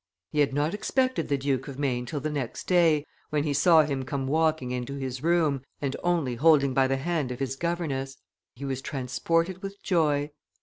"He had not expected the Duke of Maine till the next day, when he saw him come walking into his room, and only holding by the hand of his governess; he was transported with joy.